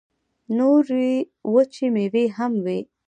نورې وچې مېوې هم وې.